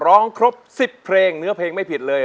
ร้องครบ๑๐เพลงเนื้อเพลงไม่ผิดเลย